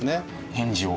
返事を？